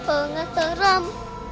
oh gak serem